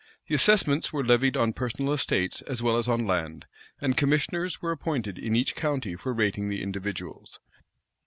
The assessments were levied on personal estates as well as on land;[*] and commissioners were appointed in each county for rating the individuals.